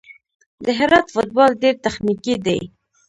د هرات فوټبال ډېر تخنیکي دی.